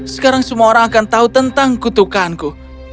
sekarang semua orang akan tahu tentang kutukanku